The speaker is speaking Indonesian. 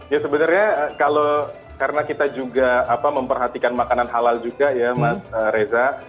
ya sebenarnya karena kita juga memperhatikan makanan halal juga ya mas reza